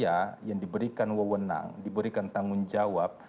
tapi ketika ia yang diberikan wawonan diberikan tanggung jawab